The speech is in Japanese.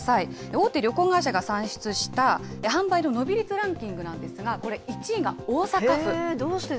大手旅行会社が算出した、販売の伸び率ランキングなんですが、これ、１位が大阪府。